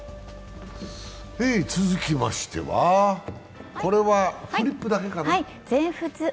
続きましては、これはフリップだけかな。